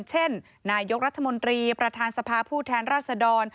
เช่นนายกรัฐมนตรีประธานสภาผู้แทนราชดร